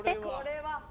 これは。